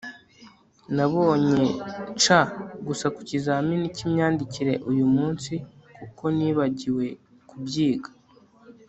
nabonye c gusa ku kizamini cyimyandikire uyumunsi kuko nibagiwe kubyiga